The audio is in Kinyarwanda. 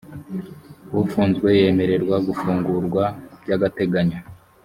ufunzwe yemererwa gufungurwa by’agateganyo